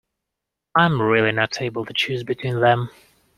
I'm really not able to choose between them.